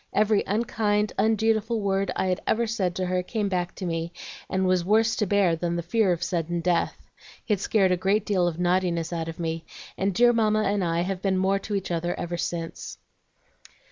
Every unkind, undutiful word I'd ever said to her came back to me, and was worse to bear than the fear of sudden death. It scared a great deal of naughtiness out of me, and dear Mamma and I have been more to each other ever since."